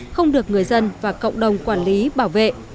không được người dân và cộng đồng quản lý bảo vệ